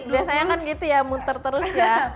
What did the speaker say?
biasanya kan gitu ya muter terus ya